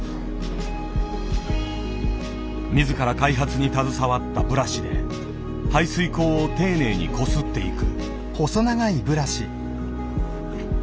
自ら開発に携わったブラシで排水口を丁寧にこすっていく。